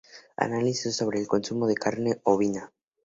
Análisis sobre el consumo de carne ovina